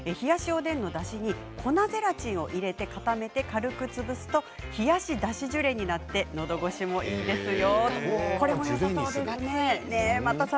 冷やしおでんのだし粉ゼラチンを入れて固めて潰すと冷やしだしジュレでのどごしがいいですよ。